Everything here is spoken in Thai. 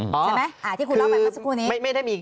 คลียงแบบนี้คุณเล่าไปมั้ยพวกนี้